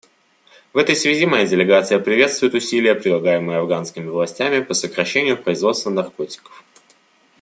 В этой связи моя делегация приветствует усилия, прилагаемые афганскими властями, по сокращению производства наркотиков.